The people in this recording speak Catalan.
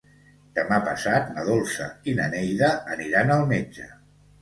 Demà passat na Dolça i na Neida aniran al metge.